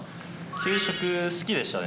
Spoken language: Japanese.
給食好きでしたね。